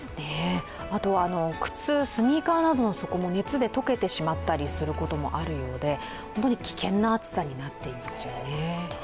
あとは靴、スニーカーなどの底も熱で溶けてしまったりすることもあるようで本当に危険な暑さになっていますよね。